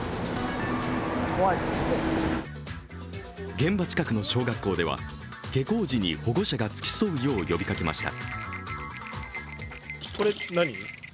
現場近くの小学校では下校時に保護者が付き添うよう呼びかけました。